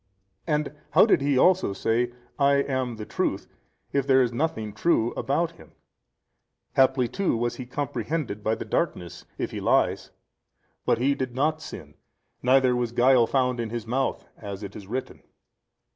And how did He also say, I am the Truth, if there is nothing true about Him? haply too He was comprehended by the darkness, if He lies. But He did not sin neither was guile found in His mouth, as it is written.